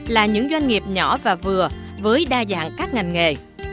là những doanh nghiệp nhỏ và vừa với đa dạng các ngành nghề